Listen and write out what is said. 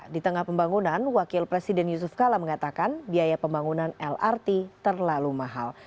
di tengah pembangunan wakil presiden yusuf kala mengatakan biaya pembangunan lrt terlalu mahal